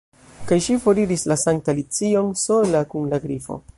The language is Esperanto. Kaj ŝi foriris lasante Alicion sola kun la Grifo.